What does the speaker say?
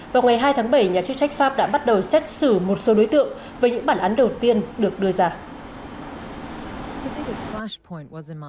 vào ngày hai tháng bảy nhà chức trách pháp đã bắt đầu xét xử một số đối tượng với những bản án đầu tiên được đưa ra